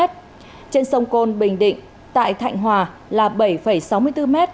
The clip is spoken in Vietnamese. trên sông côn bình định tại thạnh hòa là bảy sáu mươi bốn m